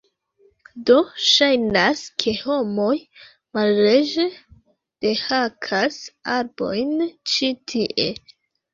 Do, ŝajnas ke homoj malleĝe dehakas arbojn ĉi tie.